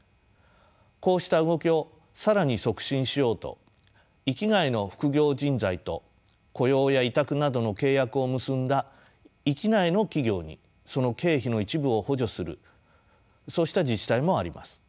こうした動きを更に促進しようと域外の副業人材と雇用や委託などの契約を結んだ域内の企業にその経費の一部を補助するそうした自治体もあります。